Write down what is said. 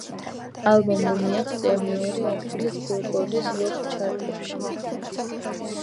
ალბომმა მიაღწია მეორე ადგილს ბილბორდის როკ ჩარტებში.